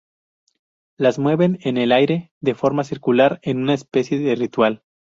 Las mueven en el aire de forma circular en una especie de ritual.